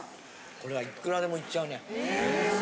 これはいくらでもいっちゃうね。